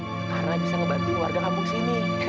karena bisa ngebantu warga kampung sini